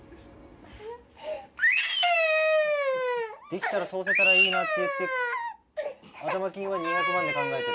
できたら通せたらいいなって。